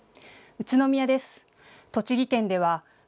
宇都宮です。